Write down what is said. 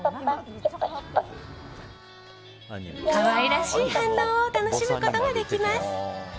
可愛らしい反応を楽しむことができます。